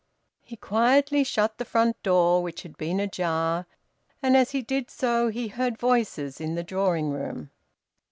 He quietly shut the front door, which had been ajar, and as he did so he heard voices in the drawing room.